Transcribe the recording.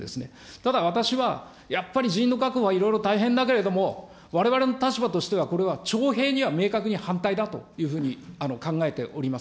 ただ私はやっぱり人員の確保はいろいろ大変だけれども、われわれの立場としては、これは徴兵には明確に反対だというふうに考えております。